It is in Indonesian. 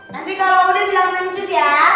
nanti kalo udah bilang mencus ya